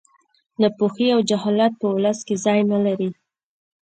ناپوهي او جهالت په ولس کې ځای نه لري